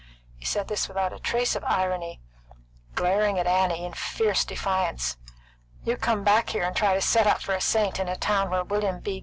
He said this without a trace of irony, glaring at Annie with fierce defiance. "You come back here, and try to set up for a saint in a town where William B.